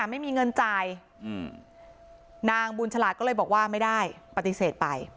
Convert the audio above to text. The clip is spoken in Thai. ไม่มีเงินจ่ายนางบุญฉลาดก็เลยบอกว่าไม่ได้ปฏิเสธไป